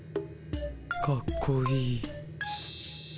かっこいい。